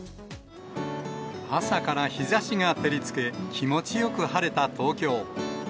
朝から日ざしが照りつけ、気持ちよく晴れた東京。